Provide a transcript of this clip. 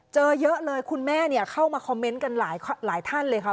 เจอเยอะเลยคุณแม่เข้ามาคอมเมนต์กันหลายท่านเลยค่ะ